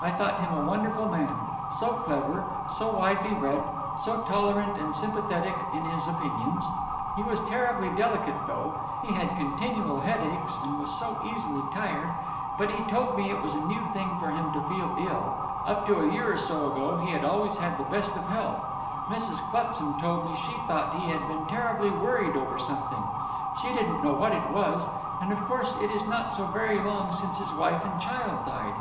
I thought him a wonderful man: so clever, so widely read, so tolerant and sympathetic in his opinions. He was terribly delicate, though; he had continual headaches, and was so easily tired; but he told me it was a new thing for him to feel ill; up till a year or so ago he had always had the best of health. Mrs. Clutsam told me she thought he had been terribly worried over something; she didn't know what it was; and of course it is not so very long since his wife and child died.